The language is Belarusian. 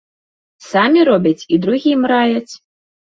Самі робяць і другім раяць.